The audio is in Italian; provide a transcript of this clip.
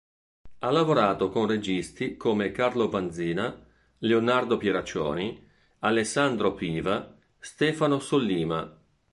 Ha lavorato con registi come Carlo Vanzina, Leonardo Pieraccioni, Alessandro Piva, Stefano Sollima.